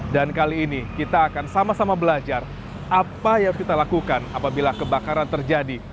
dan kali ini kita akan sama sama belajar apa yang kita lakukan apabila kebakaran terjadi